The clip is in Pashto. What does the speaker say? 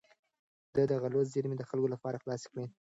ده د غلو زېرمې د خلکو لپاره خلاصې کړې.